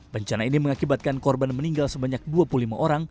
bencana ini mengakibatkan korban meninggal sebanyak dua puluh lima orang